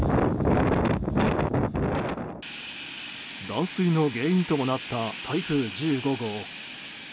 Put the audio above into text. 断水の原因ともなった台風１５号。